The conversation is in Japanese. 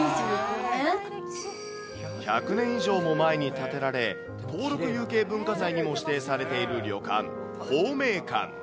１００年以上も前に建てられ、登録有形文化財にも指定されている旅館、鳳明館。